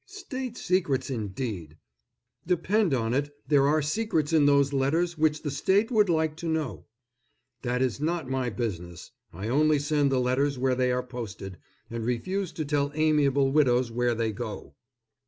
"State secrets, indeed! Depend upon it, there are secrets in those letters which the state would like to know." "That is not my business. I only send the letters where they are posted, and refuse to tell amiable widows where they go."